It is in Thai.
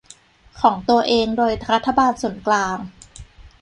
ของตัวเองโดยรัฐบาลส่วนกลาง